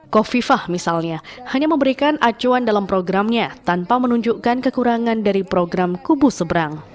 kofifah misalnya hanya memberikan acuan dalam programnya tanpa menunjukkan kekurangan dari program kubu seberang